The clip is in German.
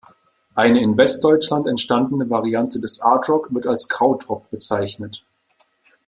Eine in Westdeutschland entstandene Variante des Artrock wird als Krautrock bezeichnet.